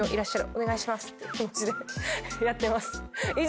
お願いしますって気持ちでやってます。